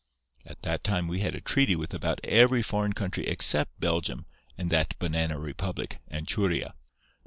At that time we had a treaty with about every foreign country except Belgium and that banana republic, Anchuria.